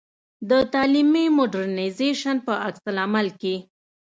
د تعلیمي مډرنیزېشن په عکس العمل کې.